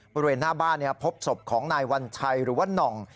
บริเวณหน้าบ้านพบศพของนายวัญชัยหรือว่าน่อง